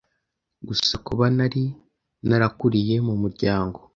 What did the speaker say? gusa kuba nari narakuriye mu muryango